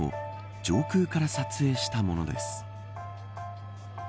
上空から撮影したものです。